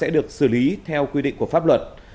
được xử lý theo quy định của pháp luật